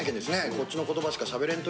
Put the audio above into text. こっちの言葉しかしゃべれん」